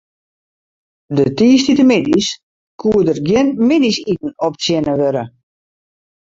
Dy tiisdeitemiddeis koe der gjin middeisiten optsjinne wurde.